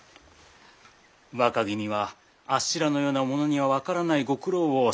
若君はあっしらのような者には分からないご苦労をされてきたんですね。